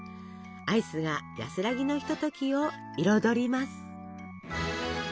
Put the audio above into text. アイスが安らぎのひとときを彩ります。